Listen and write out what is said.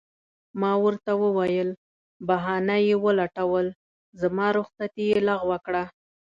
ما ورته وویل: بهانه یې ولټول، زما رخصتي یې لغوه کړه.